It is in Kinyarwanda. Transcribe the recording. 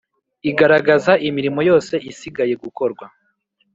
igaragaza imirimo yose isigaye gukorwa